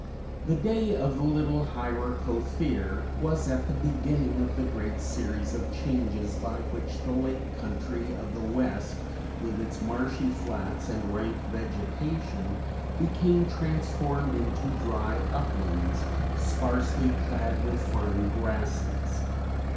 The day of the little Hyracothere was at the beginning of the great series of changes by which the lake country of the West, with its marshy flats and rank vegetation, became transformed into dry uplands sparsely clad with fine grasses.